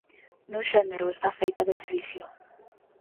Nun xénero está feita de silicio.